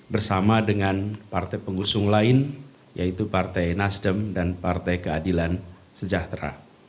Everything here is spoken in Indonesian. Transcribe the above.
bersama dengan partai pengusung lain yaitu partai nasdem dan partai keadilan sejahtera